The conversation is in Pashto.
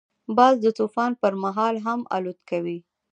باز د طوفان پر مهال هم الوت کوي